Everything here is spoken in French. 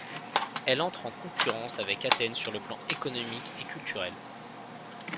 Elle entre en concurrence avec Athènes sur le plan économique et culturel.